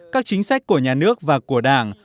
các chính sách của nhà nước và của đảng